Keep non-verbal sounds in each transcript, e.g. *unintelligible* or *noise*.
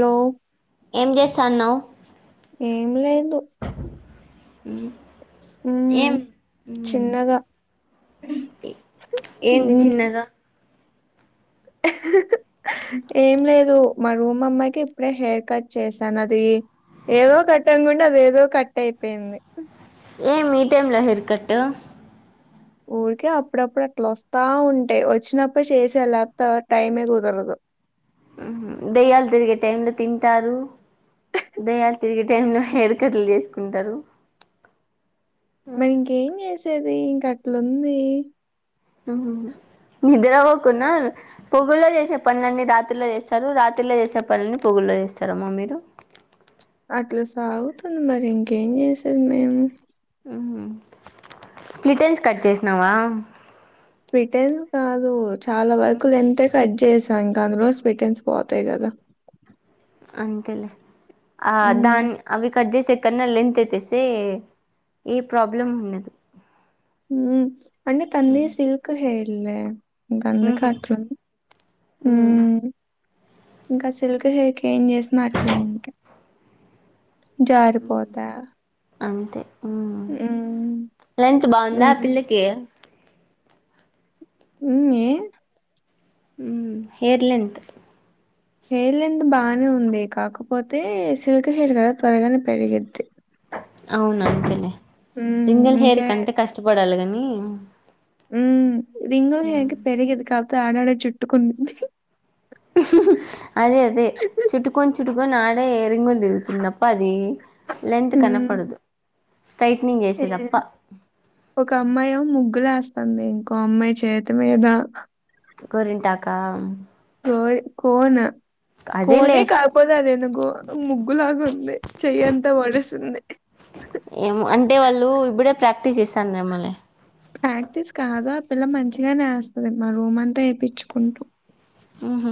Hello ఏం చేస్తానవ్ *unintelligible* ఏం లేదు అ హ చిన్నగా ఏంది చిన్నగా ఏం లేదు మా రూమ్మ్మాయికి ఇప్పుడే హెయిర్ కట్ చేసాను అది ఏదో కట్ అనుకుంటే అది ఏదో కట్ అయిపోయింది ఏం ఈ టైంలో హెర్ కట్ ఊరికే అప్పుడప్పుడు అట్లా వస్తా ఉంటాయి వచ్చినప్పుడు చేసేయాల లేక పోతే టైమే కుదరదు దెయ్యాలు తిరిగే టైంలో తింటారు దయ్యాలు తిరిగే టైంలో హెయిర్కట్టలు చేసుకుంటారు మరి ఇంకేం చేసేది ఇంకా అట్లా ఉంది ఆ నిద్ర పోకున్న పొగుల్లో చేసే పనులన్నని రాత్రిలో చేస్తారు రాత్రిలో చేసే పనులని పొగుల్లో చేస్తార అమ్మ మీరు అట్లా సాగుతుంది మరి ఇంకేం చేసేది మేము అ స్ప్లిటెన్స్ కట్ చేసినావా స్ీటెన్ కాదుూ చాలా వరకులు లెంగ్త్ కట్ చేసి ఇంకా అందులో స్వీటెన్స్ పోతాయి కదా అంతేలే ఆ మ్మ్ దాన్ అవి కట్ చేసి కన్నా లెంత్ అయితేస్తే ఏ ప్రాబ్లం ఉండదు అంటే తంది సిల్క్ హెయిర్ లే గందు కాట్లు ఉమ్ ఇంకా సిల్క్ హెయిర్ కి ఏం చేసిన అట్లే ఉంటాయి జారిపోత అంతే అ లెంగ్త్ బాగుందా ఆ హ్మ్. పిల్లకి ఉంది హేర్ లెంత్ హెయిర్ లెన్త్ బానే ఉంది కాకపోతే సిల్క్ హెయిర్ కదా త్వరగానే పెరిగిద్ది అవును అంతేలే హ్మ్. రింగల్ హెయిర్ ఇంకే కంటే కష్టపడాలి కాని ఇమ్ హ్మ్ రింగులు హెయిర్ కి పెరిగేది కాదు త ఆడాడ చుట్టుకుంది అదే అదే చుట్టుకంచ చుట్టుకొని అే ఎ రింగులు దిగుతుందప్ప అది లెంత్ హ్మ్. కనబడదు ఏ ఒక అమ్మాయి ముగ్గులాస్తా వస్తుంది ఇంకో అమ్మాయి చేతి మీద గోరింటాకా కో కోను అదేలే కోనే కాపోదా అదేందుకో ముగ్గులాగా ఉంది చెయ్యింతా ఒడుస్తుంది పట్టి చేస్తారేమోలే ప్రాక్టీస్ కాదుా అ పిల్ల మంచిగానే వెస్తుంది మా రూమ్ అంతా వేయించుకొండ్రు ఉహు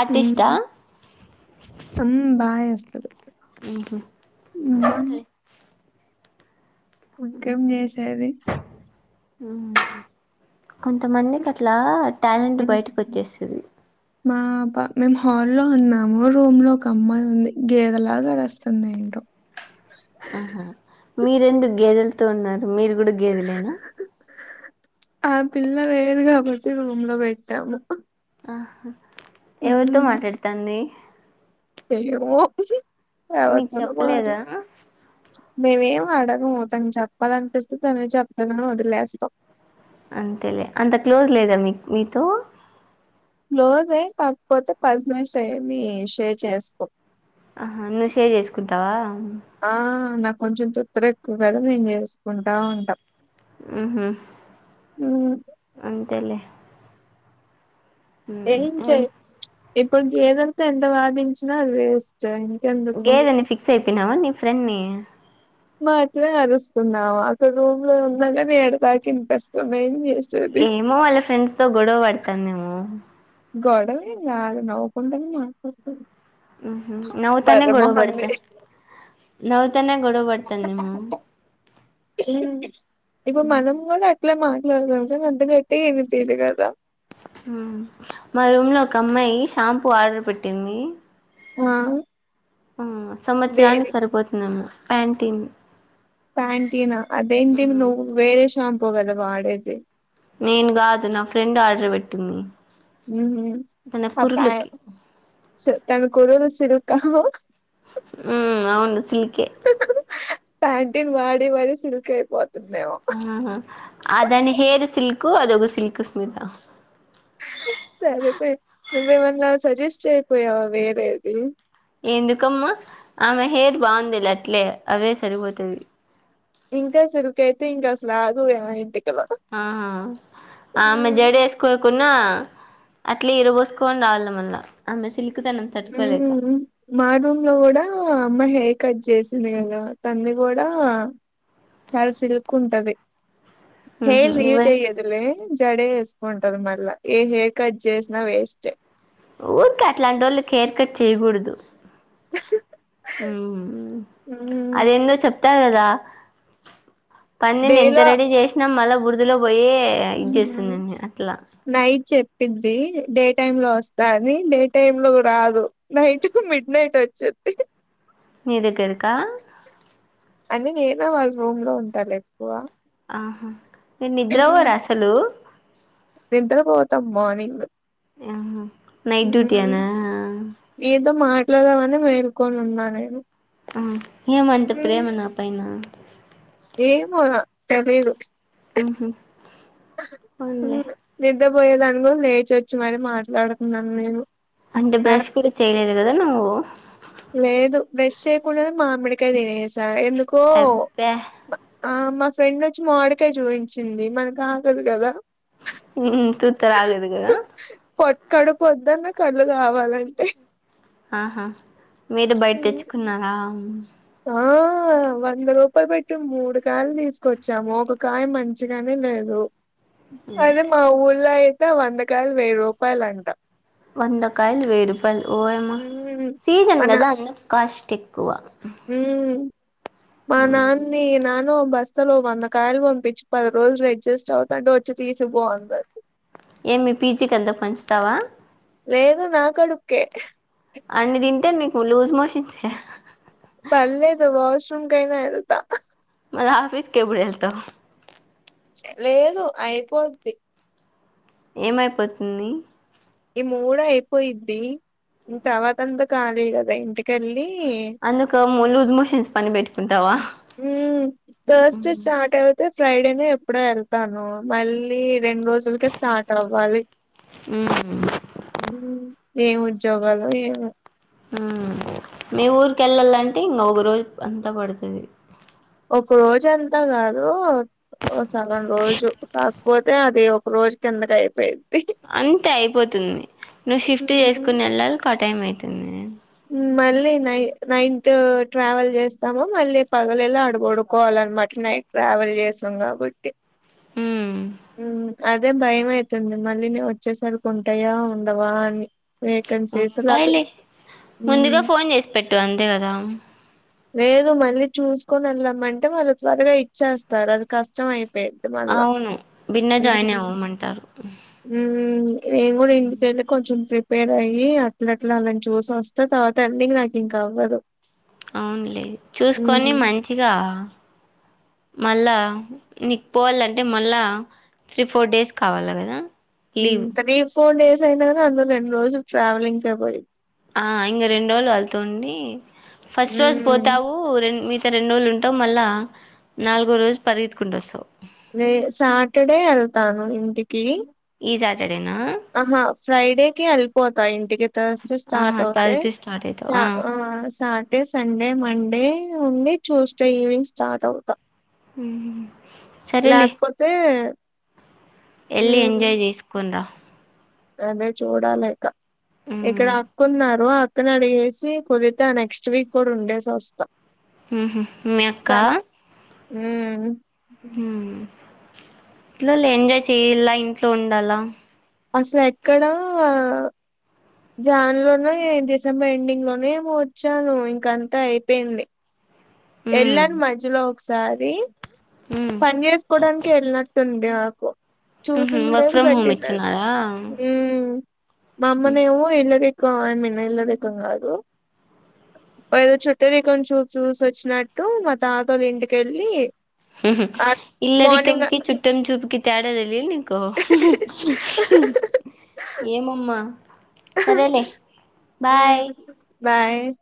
ఆర్టిస్టా హ్మ్ బా ఏస్ ఉహ్మ్ ఇంకేం చేసేది కొంతమందికి అట్లా టాలెంట్ బయటకి వచ్చేస్తుంది మాబా మేము హాల్లో ఉన్నాము రూమ్ లో ఒక అమ్మాయి ఉంది గేదెలాగే వేస్తుంది ఏంటో ఆహా మీరెందుకు గేదెలతో ఉన్నారు మీరు కూడా గేదలేనా ఆ పిల్ల లేదు కాబట్టి రూమ్ లో పెట్టాము ఆహా ఎవరితో మాట్లాడతాడి ఏమో మీకు ఎవరితోనో మాట్లా చెప్పలేదా మే ఏం అడగము తను చెప్పాలనిపిస్తే తను చెప్తేదాన్ని వదిలేస్తాం అంతేలే అంత క్లోజ్ లేదా మీ మీతో లోజ్ అయ కాకపోతే పజనెస్ అ మీ షేర్ చేసుకో ఆహా మెసేజ్ చేసుకుంటావా ఇదెక్కువ మేము చేసుకుంటా ఉంటాం ఆహ్ హ హ్మ్. అంతేలే ఏం ఇప్పుడు గేదె లతో ఎంత వాదించిన వేస్ట్ చ ఇంకెందుకు చెప్పినవా నీ ఫ్రెండ్ ని మాత్రమే అరుస్తున్నావా రూమ్ లో ఉన్నాగాని ఏడుపుంతా వినిపిస్తుంది ఏం చేస్తున్నావ్ ఏమో వాళ్ళ ఫ్రెండ్స్ తో గొడవ పడుతుందేమో గొడవేం కాదు నవ్వుతూ మాట్లాడుతుంది నవ్వుతూనే బర్రె గొడవ మొహంది. పడుతుంద నవ్వుతూనే గొడవ పడుతుందేమో అట్లా మాట్లాడదాం అందుకట్టే ఏమి మా రూమ్ లో ఒక అమ్మాయి షాంపూ ఆర్డర్ పెట్టింది ఆ ఆ దేని సంవత్సరానికి సరిపోతుందమ్మా ప్యాంటీన్ ప్యాంటీనా అదేంటిన్ మ్మ్ నువ్వు వేరే షాంప్ పోద్దివాడతే నేను కాదు నా ఫ్రెండ్ ఆర్డర్ పెట్టింది తన కురులకి హహు తిరక్కు మ్మ్ అవును సిల్కే ప్యాంటీన్ వాడే వాడే సిల్క్ అయిపోతాది ఆ అదని హేర్ సిల్క్ ఎకు అది ఒకో సిల్క్స్మిత సరేపోయి మ మేమన్నా సజెస్ట్ అయిపోయావా వేరేది ఎందుకమ్మా ఆమె హెయిర్ బాగుంది అట్లే అవే సరిపోతుది ఇంకా అసలుకైతే ఇంకా అసలు ఆగమే ఇంటికి ఉహ్మ్ ఆమె జడేసుకోకున్న అట్లే ఎరబోసుకొని రావాల మళ్ళ ఆమె సిల్క్ మా రూంలో కూడా అమ్మ హెయిర్ కట్ చేసంది కదా దన్ని కూడా చాలా సిల్క్ ఉంటది మ్మ్ హు హెయిర్ లీవ్ నువ్వే చేయొద్దులే జడే వేసుకుంటది మల్ల ఏ హెయిర్ కట్ చేసినా వేస్టే ఊరిక అట్లాంటి వాళ్ళకి హెయిర్ కట్ చేయకూడదు హ్మ్. అదేందో చెప్ తఊరుగా పనిని ఎంత డేలో రెడీ చేసినా మళ్ళ బూడిది పోయ ఇది చేస్తుందంని అట్లా ది డే టైమ్ లో వస్తాని డే టైమ్ లో రాదు నైట్ కు మిడ్ నైట్ వచ్చేది నీదకాదుకా అంటే నేనా వాళ్ళ రూమ్ లో ఉంటాల ఎక్కువ ఆహా మీే నిద్ర్వరు అసలు నింతకు పోతాం మార్నింగ్ ఆ నైట్ డ్యూటీనా విప్లదం అని మేల్కొని ఉన్నా నేను ఏమ అంత ప్రేమ నా పైన ఏమ తెలిదు పోన్లే పోయేదానుకో లేచి వచ్చి మరి మాట్లాడుతున్నాను నేను అంటే బ్రష్ లేకపోతే కూడా చేయలేదు కదా నువ్వు ఓ లేదు వెస్ట్ చేయకుండాద మామిడికాయ తినేస్త స ఎందుకో అబ్బా ఆ మా ఫ్రెండ్ వచ్చి మాడికాయ చూపించింది మనకు ఆగదు కదా ఉ తూతరా ఆగదు కదా పొట్ కడుప్ పొదున్న కళ్లు కావాలంటై ఆహా మీరు బయట తెచ్చుకున్నారా ఆ వంద రూపాయలు పెట్టి మూడు కాయలు తీసుకొచ్చాము ఒక కాయ మంచిగానే లేదు అదే మాఊల్యితే కిలో వందకాయలు వెయ్యి రూపాయలు అంట వందకాయల్ వేయ్ రుపాయల్ ఓమ్మా ఉమ్ సీజన్గాదా అందుకే కాష్ట్ ఎక్కువ హ్మ్ మా నాన్న్ని నాన్ లో బస్తలో వందకాయలు పంపించి పది రోజులు అడ్జస్ట్ అవుతంటే వచ్చి తీసిపో అంది ఏమీ పీజీకంత పంచ్తావా లేదు నా కడూప్కే అన్ని తింటే నీకు లూజ్ మోషన్స్ యే పర్లేదు వాష్రూమ్ కైనా వేల్తా మళ్ళా ఆఫీస్కి ఎప్పుడెల్తావ్ లేదు అయిపోద్ది ఏమైపోతుంది ఈ మూడ్ అయిపోయిద్ది ఇంకా తవాతంత కాళి గదా ఇంటికెళ్ళి అందుక లూజ్ మోషన్స్ పని పెట్టుకుంటావా బస్ట్ స్టార్ట్ ఉతే ఫ్రైడేనే ఎప్పుడో వెళ్తాను మళ్ళీ రెండు రోజులక స్టార్ట్ అవ్వాలి హ్మ్ ఏం ఉద్యోగాలు ఏమో మీ ఊరిక వెళ్ళాలంటే ఇంకా ఒక రోజు అంతా పడుతుంది ఒక రోజు ఎంతా కాదు సగం రోజు కాకపోతే అది ఒక రోజు కిందక అయిపోయిది అంతే అయిపోతుంది నువ్వు షిఫ్ట్ చేసుకుని వెళ్ళాలి ఆ టైం అవుతుంది మళ్ళీ నై నైట్ ట్రావెల్ చేస్తాము మళ్ళీ పగలలా అడగడుకోవాలన్నమాట నైట్ ట్రావెల్ చేసాం కాబట్టి హ్మ్ అదే భయం అవుతుంది మళ్ళీ న వచ్చేసరికి ఉంటాయా ఉండవా అని వేకన్సస్లుదు ఉంటాయిలే ముందుగా ఫోన్ చేసి పెట్టు అంతే కదా లేదు మళ్ళీ చూసుకొని వెళ్ళమంటే వాళ్ళు త్వరగా ఇచ్చేస్తారు అది కష్టం అయి అవును బిన్న జాయిన్ అవ్వమంటారు హ్మ్. నేను కూడా ఇంటికెళ్ళి కొంచెం ప్రిపేర్ అయ్యి అట్ల అట్లా అలాని చూసి వస్త తర్వాత అండింగ్ నాకు ఇంకా అవ్వదు అవునులే చూసుకొని హ్మ్. మంచిగా మళ్ళా నీకు పోవాలంటే మళ్ళా త్రీ ఫోర్ డేస్ కావాలి కదా లీవ్ త్రీ ఫోర్ డేస్ అయినా అందులో రెండు రోజులు ట్రావెలింగ్ అయిపోయిది ఇంకా రెండు రోజులుు వెళ్తుండి ఫస్ట్ రోజు హ్మ్. పోతావు రెం మీ ఇకా రెండు రోజులు ఉంటావు మళ్ళా నాలుగో రోజు పరిగెత్తుకుంటూ వస్తావు నే సాటర్డే వెళ్తాను ఇంటికి ఇ సాట్ ఆహా ఫ్రైడేకి హల్ప్పోతాయి ఇంటికి థర్స్డే స్టార్ట్ ఆహా అవుతే థర్స్డే స్టార్ట్ అవుతావు ఆ సాటర్డే సండే మండే ఉండి ట్యూస్డే ఈవినింగ్ స్టార్ట్ అవు హ్మ్ సరేలే లేకపోతే ఎళ్లి హ్మ్. ఎంజాయ్ చేసుకొని రా అదే చూడాలింకా ఇక్కడ ఉమ్ అక్కున్నారు క్కన అడిగేసి కొదితే ఆ నెక్స్ట్ వీక్ కూడా ఉండేసి వస్తా మీ అక్క హ హ ఇట్లా ఎంజాయ్ చేయలా ఇంట్లో ఉండాల అసలు ఎక్కడ జాన్ లోనే డిసెంబర్ ఎండింగ్ లోనే ఏమో వచ్చాను ఇంక అంతా అయిపోయింది ఉమ్ ఎళ్లను మధ్యలో ఒకసారి ఉమ్ పని చేసుకోవడానికి వెళ్ళినట్టుంది ఆ కు ఉహు చూసింది వర్క్ లేదు ఫ్రమ్ హోమ్ పెట్టింది లేదు ఇచ్చినారా మా అమ్మనే ఏమో ఇల్ళగ మన్న ఇళ్ల రకం కాదు ఏదో చుట్టూ రికం చూ చూసి వచ్చినట్టు మా తాతలు ఇంటికెళ్ళి మార్నింగ్ ఇల్లరికంకి చుట్టం చూపుకి తేడాదలి నీకో ఏమమ్మా సరేలే బాయ్ బాయ్ అ